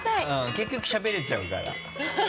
結局しゃべれちゃうから。